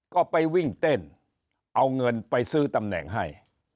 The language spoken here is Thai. ก็ไปวิ่งเต้นเอาเงินไปซื้อตำแหน่งให้